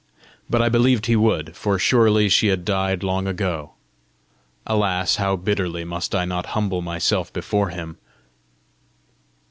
But I believed he would, for surely she had died long ago! Alas, how bitterly must I not humble myself before him!